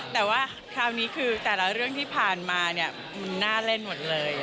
แต่ว่าคราวนี้คือแต่ละเรื่องที่ผ่านมาเนี่ยมันน่าเล่นหมดเลย